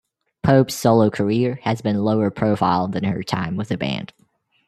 Pope's solo career has been lower-profile than her time with the band.